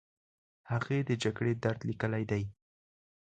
هغې د جګړې درد لیکلی دی.